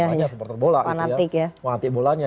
banyak supporter bola fanatik ya fanatik bola